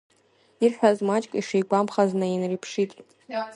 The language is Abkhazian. Ирҳәаз маҷк ишигәамԥхаз наинирԥшит.